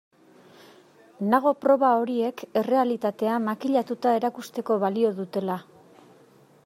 Nago proba horiek errealitatea makillatuta erakusteko balio dutela.